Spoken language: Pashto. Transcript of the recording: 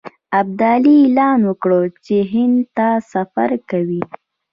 ابدالي اعلان وکړ چې هند ته سفر کوي.